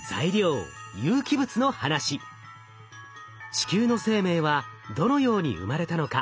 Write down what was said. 地球の生命はどのように生まれたのか？